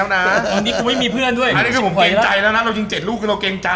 นี่ผมพยายามแล้วนะ